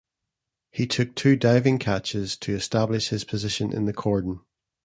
He took two diving catches to establish his position in the cordon.